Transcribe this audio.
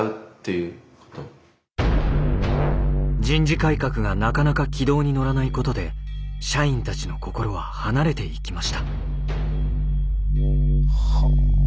人事改革がなかなか軌道に乗らないことで社員たちの心は離れていきました。